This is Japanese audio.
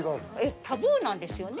タブーなんですよね。